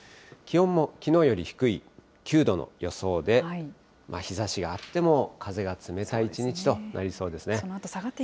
気温もきのうより低い９度の予想で、日ざしがあっても、風が冷たい一日となりそうですね。